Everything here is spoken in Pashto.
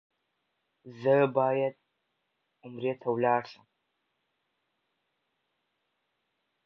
ایا زه باید عمرې ته لاړ شم؟